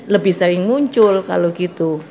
lebih sering muncul kalau gitu